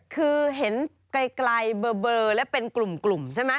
คือเราเห็นใกล้แล้วกลุ่มใช่มะ